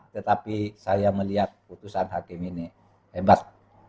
tetapi saya melihat putusan hakim ini hebat